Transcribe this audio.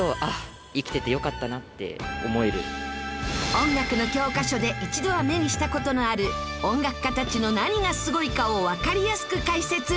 音楽の教科書で一度は目にした事のある音楽家たちの何がすごいかをわかりやすく解説。